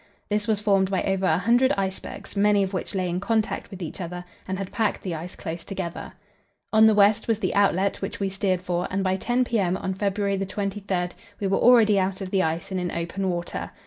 This was formed by over a hundred icebergs, many of which lay in contact with each other and had packed the ice close together. On the west was the outlet, which we steered for, and by 10 p.m. on February 23 we were already out of the ice and in open water.